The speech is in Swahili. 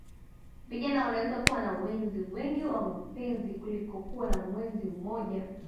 Vijana wanaweza kuwa na wenzi wengi wa mapenzi kuliko kuwa na mwenzi mmoja